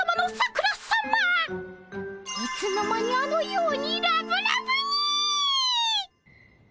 いつの間にあのようにラブラブに！